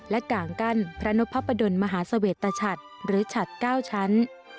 และก่างกั้นพระนพประดนมหาเสวตชัดหรือฉัด๙ชั้น